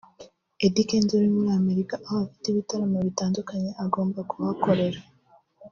Eddy Kenzo uri muri Amerika aho afite ibitaramo bitandukanye agomba kuhakorera